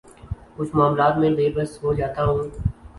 کچھ معاملات میں بے بس ہو جاتا ہوں